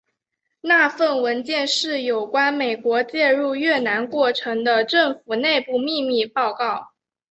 那份文件是有关美国介入越南过程的政府内部秘密报告。